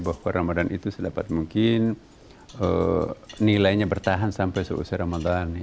bahwa ramadan itu sedapat mungkin nilainya bertahan sampai selesai ramadan